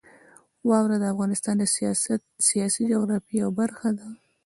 واوره د افغانستان د سیاسي جغرافیې یوه برخه ده.